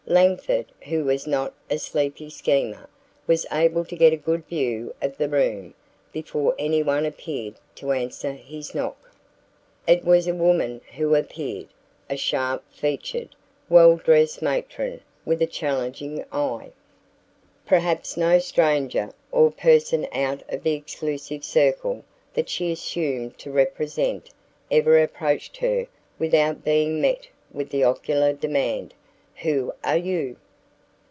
Langford, who was not a sleepy schemer, was able to get a good view of the room before any one appeared to answer his knock. It was a woman who appeared, a sharp featured, well dressed matron with a challenging eye. Perhaps no stranger, or person out of the exclusive circle that she assumed to represent ever approached her without being met with the ocular demand, "Who are you?"